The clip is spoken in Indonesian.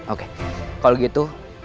oke kalau gitu